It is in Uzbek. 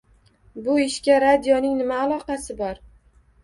— Bu ishga radioning nima aloqasi bor?